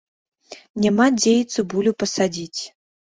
Няма дзе і цыбулю пасадзіць.